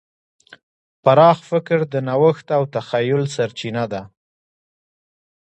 پراخ فکر د نوښت او تخیل سرچینه ده.